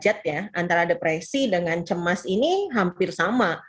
bicara derajat antara depresi dengan cemas ini hampir sama